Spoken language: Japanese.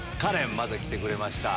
また来てくれました。